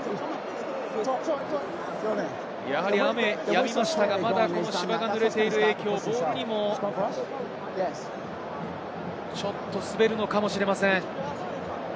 雨はやみましたが芝が濡れている影響、ボールもちょっと滑るのかもしれません。